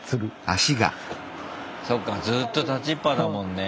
そっかずっと立ちっぱだもんね。